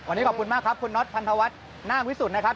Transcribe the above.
วันนี้ขอบคุณมากครับคุณน็อตพันธวัฒน์นาควิสุทธิ์นะครับ